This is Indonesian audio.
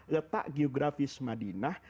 letak geografis madinah